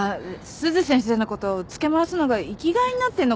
鈴先生の事をつけ回すのが生きがいになってるのかな？